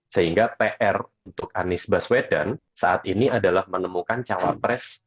sehingga pr untuk anies baswedan saat ini adalah menemukan cawapres